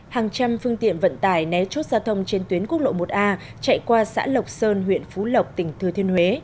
hàng trăm phương tiện vận tải né chốt giao thông trên tuyến quốc lộ một a chạy qua xã lộc sơn huyện phú lộc tỉnh thừa thiên huế